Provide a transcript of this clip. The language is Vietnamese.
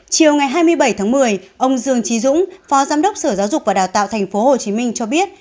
chiều ngày hai mươi bảy tháng một mươi ông dương trí dũng phó giám đốc sở giáo dục và đào tạo tp hcm cho biết